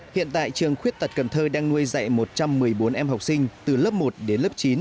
hiện tại trường khuyết tật cần thơ đang nuôi dạy một trăm một mươi bốn em học sinh từ lớp một đến lớp chín